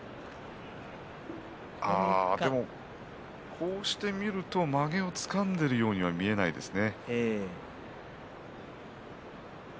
こうして見るとまげをつかんでいるようには見えないですね。